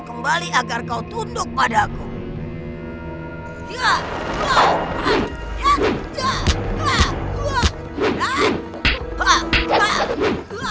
siapa yang menembak kamu